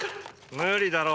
無理だろう。